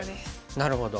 なるほど。